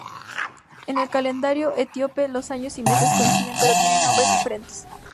En el calendario etíope los años y meses coinciden pero tienen nombres diferentes.